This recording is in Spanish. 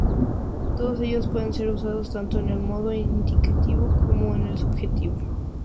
Todos ellos pueden ser usados tanto en el modo indicativo como en el subjuntivo.